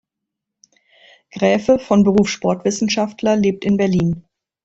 Gräfe, von Beruf Sportwissenschaftler, lebt in Berlin.